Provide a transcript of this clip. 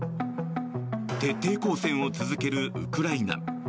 徹底抗戦を続けるウクライナ。